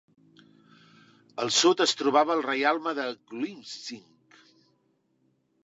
Al sud es trobava el reialme de Glywysing.